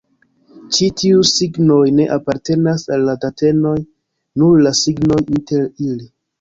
Ĉi tiuj signoj ne apartenas al la datenoj, nur la signoj inter ili.